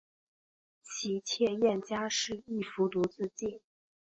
其妾燕佳氏亦服毒自尽。